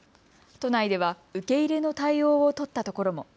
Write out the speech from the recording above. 都内では受け入れの対応を取ったところも。